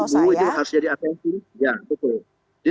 saya kira ibu ibu ini harus jadi atensi